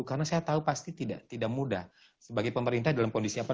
karena saya tahu pasti tidak mudah sebagai pemerintah dalam kondisi apa